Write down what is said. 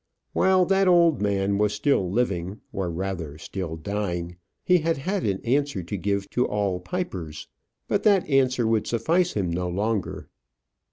While that old man was still living, or rather still dying, he had had an answer to give to all pipers. But that answer would suffice him no longer.